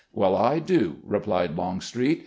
" Well, I do," continued Longstreet.